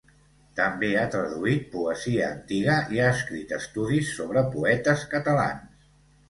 També ha traduït poesia antiga i ha escrit estudis sobre poetes catalans.